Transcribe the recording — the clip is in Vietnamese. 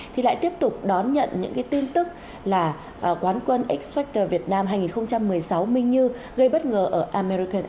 thì lại tiếp tục đón nhận những tin tức là quán quân x factor việt nam hai nghìn một mươi sáu minh như gây bất ngờ ở american idol